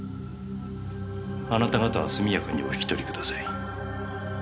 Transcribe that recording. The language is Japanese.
あなた方はすみやかにおひきとりください。